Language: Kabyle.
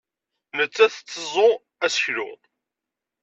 Nettat tetteẓẓu aseklu.